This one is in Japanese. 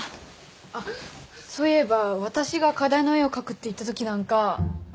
あっそういえば私が課題の絵を描くって言ったときなんか。